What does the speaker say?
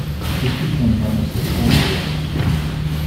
This became known as the "Cola Wars".